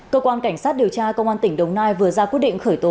cơ quan cảnh sát điều tra công an tỉnh đồng nai vừa ra quyết định khởi tố